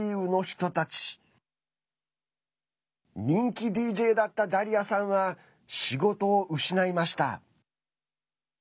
人気ＤＪだったダリアさんは仕事を失いました。